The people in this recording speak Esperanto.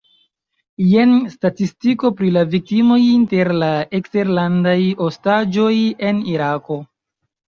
Jen statistiko pri la viktimoj inter la eksterlandaj ostaĝoj en Irako.